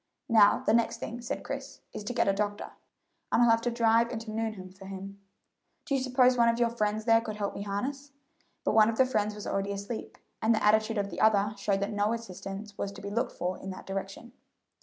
"Now, the next thing," said Chris, "is to get a doctor, and I'll have to drive into Nuneham for him. Do you suppose one of your friends there can help me harness?" but one of the friends was already asleep, and the attitude of the other showed that no assistance was to be looked for in that direction.